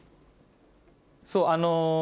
そうあの。